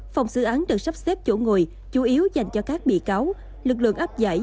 phòng xử án được sắp xếp chỗ ngồi chủ yếu dành cho các bị cáo lực lượng áp giải